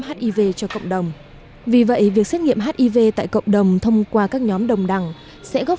hiv cho cộng đồng vì vậy việc xét nghiệm hiv tại cộng đồng thông qua các nhóm đồng đẳng sẽ góp